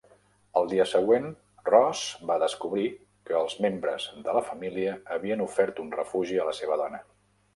El dia següent, Ross va descobrir que els membres de la família havien ofert un refugi a la seva dona.